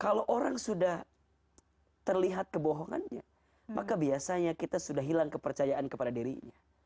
kalau orang sudah terlihat kebohongannya maka biasanya kita sudah hilang kepercayaan kepada dirinya